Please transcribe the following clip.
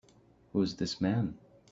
Who is this man?